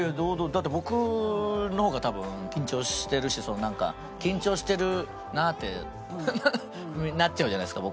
だって僕の方が多分緊張してるしそのなんか緊張してるなってなっちゃうじゃないですか